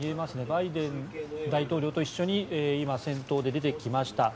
バイデン大統領と一緒に先頭で出てきました。